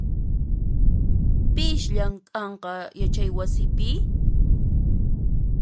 Pis llamk'anqa yachaywasipi?